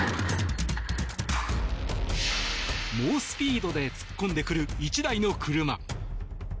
猛スピードで突っ込んでくる１台の車。